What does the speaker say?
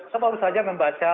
saya baru saja membaca